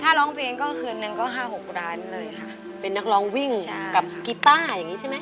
ถ้าร้องเพลงก็คืนนึงก็ห้าหกร้านเลยค่ะเป็นนักร้องวิ่งกับกีต้าอย่างงี้ใช่ไหม